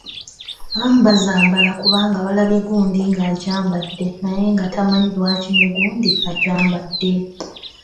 Abamu bazambala kubanga balabye gundi ng’agyambadde naye nga tamanyi lwaki ne gundi agyambadde!